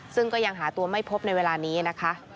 ซึ่งก็ยังหาตัวไม่พบในเวลานี้นะคะ